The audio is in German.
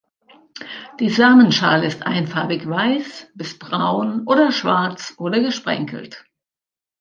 Die Samenschale ist einfarbig weiß bis braun oder schwarz oder gesprenkelt.